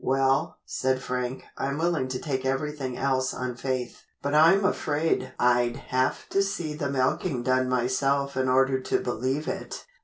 "Well," said Frank, "I'm willing to take everything else on faith, but I'm afraid I'd have to see the milking done myself in order to believe it."